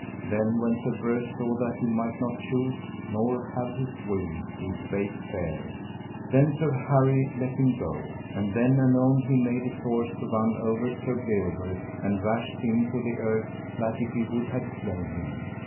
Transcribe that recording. Then when Sir Breuse saw that he might not choose nor have his will he spake fair. Then Sir Harry let him go. And then anon he made his horse to run over Sir Bleoberis, and rashed him to the earth like if he would have slain him.